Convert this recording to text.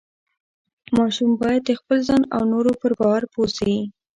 ماشوم باید د خپل ځان او نورو پر باور پوه شي.